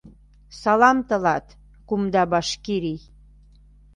Салам тылат, кумда Башкирий!